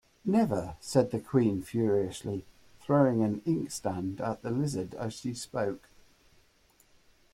‘Never!’ said the Queen furiously, throwing an inkstand at the Lizard as she spoke.